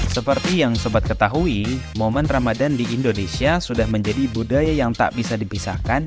seperti yang sobat ketahui momen ramadan di indonesia sudah menjadi budaya yang tak bisa dipisahkan